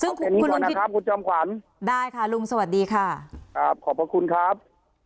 เอาแบบนี้ก่อนนะครับคุณจอมขวัญได้ค่ะลุงสวัสดีค่ะขอบคุณครับ